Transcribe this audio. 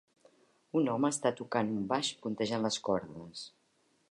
Un home està tocant un baix puntejant les cordes.